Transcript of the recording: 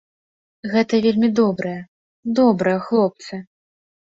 Гэта вельмі добрыя, добрыя хлопцы.